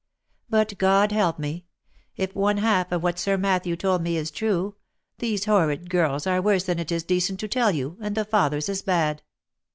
But God help me ! If one half of v/hat Sir Matthew told me is true, these horrid girls are worse than it is decent to tell you, and the father's as bad."